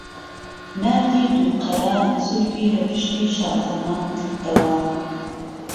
ناردی دوقەرە زولفی له پشتی شازەمانکردهوه